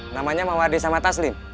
namanya mawadisama taslim